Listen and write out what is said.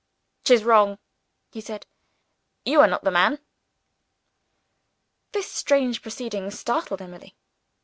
"She's wrong," he said; "you are not the man." This strange proceeding startled Emily.